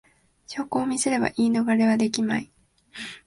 証拠を見せれば言い逃れはできまい